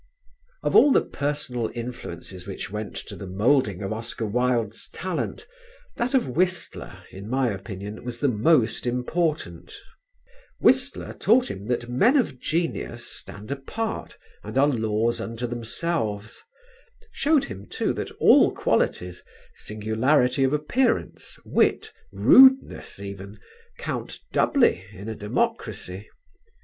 Of all the personal influences which went to the moulding of Oscar Wilde's talent, that of Whistler, in my opinion, was the most important; Whistler taught him that men of genius stand apart and are laws unto themselves; showed him, too, that all qualities singularity of appearance, wit, rudeness even, count doubly in a democracy.